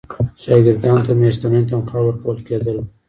شاګردانو ته میاشتنی تنخوا ورکول کېدله.